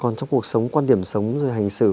còn trong cuộc sống quan điểm sống hành xử